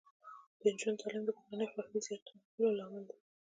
د نجونو تعلیم د کورنۍ خوښۍ زیاتولو لامل دی.